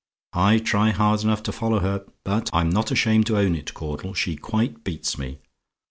I try hard enough to follow her: but, I'm not ashamed to own it, Caudle, she quite beats me.